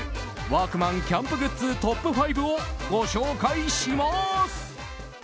ワークマンキャンプグッズトップ５をご紹介します。